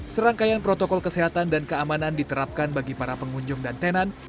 serangkaian protokol kesehatan dan keamanan diterapkan bagi para pengunjung dan tenan